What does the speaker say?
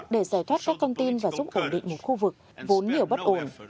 để giải thoát các con tin và giúp ổn định một khu vực vốn nhiều bất ổn